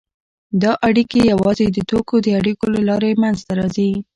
دا اړیکې یوازې د توکو د اړیکو له لارې منځته راځي